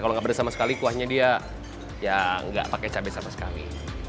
kalau enggak pedes sama sekali kuahnya dia ya enggak pakai cabai sama sekali